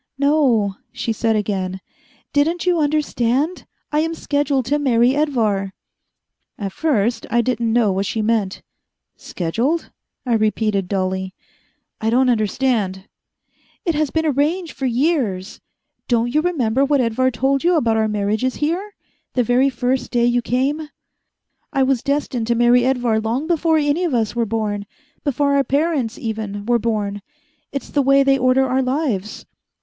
"No," she said again, "didn't you understand? I am scheduled to marry Edvar." At first I didn't know what she meant. "Scheduled?" I repeated dully. "I don't understand." "It has been arranged for years. Don't you remember what Edvar told you about our marriages here, the very first day you came? I was destined to marry Edvar long before any of us were born, before our parents, even, were born. It's the way they order our lives."